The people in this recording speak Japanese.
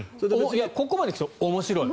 ここまでいくと面白い。